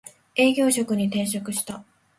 営業職に転職した